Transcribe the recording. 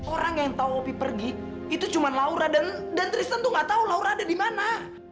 orang yang tahu hobi pergi itu cuma laura dan tristan tuh gak tahu laura ada di mana